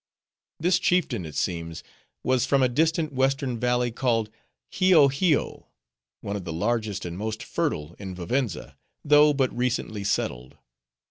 This chieftain, it seems, was from a distant western valley, called Hio Hio, one of the largest and most fertile in Vivenza, though but recently settled.